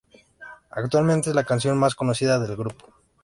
Actualmente es la canción más conocida del grupo.